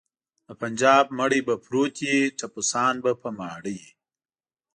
د بنجاب مړی به پروت وي ټپوسان به په ماړه وي.